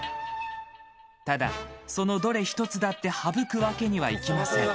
ただ、そのどれ一つだって省くわけにはいきません。